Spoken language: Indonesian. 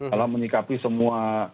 dalam menyikapi semua